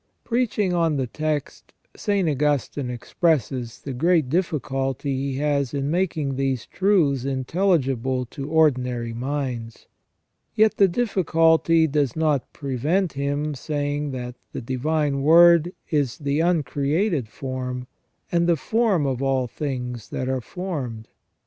Preaching on the text, St. Augustine expresses the great difficulty he has in making these truths intelligible to ordinary minds, yet the difficulty does not prevent his saying that the Divine Word is " the uncreated form, and the form of all things that are formed.